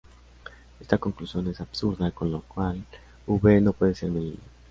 Esta conclusión es absurda, con lo cual, "V" no puede ser medible.